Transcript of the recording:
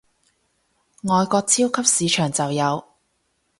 外國超級市場就有